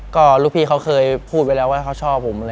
ก็ลูกพี่เขาเคยพูดไว้แล้วว่าเขาชอบผม